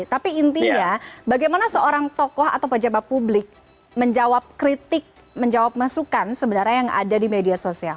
tapi intinya bagaimana seorang tokoh atau pejabat publik menjawab kritik menjawab masukan sebenarnya yang ada di media sosial